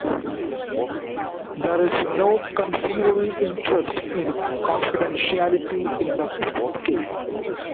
There is no conceivable interest in confidentiality in the present case.